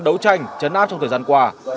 đấu tranh chấn áp trong thời gian qua